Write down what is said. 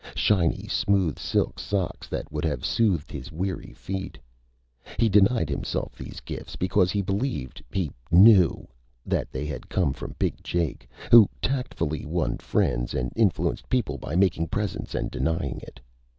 Shiny, smooth silk socks that would have soothed his weary feet. He'd denied himself these gifts because he believed he knew that they came from Big Jake, who tactfully won friends and influenced people by making presents and denying it.